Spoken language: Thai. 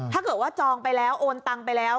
ถ้าเกิดว่าจองไปแล้วโอนตังไปแล้ว